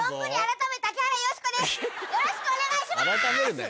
よろしくお願いします！